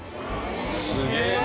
すげえな。